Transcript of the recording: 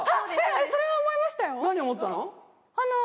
それは思いましたよ。